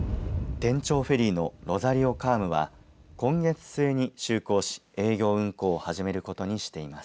天長フェリーのロザリオ・カームは今月末に就航し営業運航を始めることにしています。